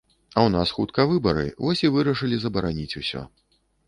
А ў нас хутка выбары, вось і вырашылі забараніць усё.